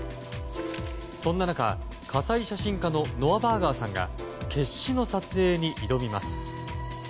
そんな中、火災写真家のノア・バーガーさんが決死の撮影に挑みます。